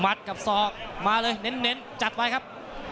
กับศอกมาเลยเน้นจัดไว้ครับ